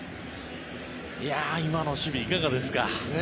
今の守備、いかがですか。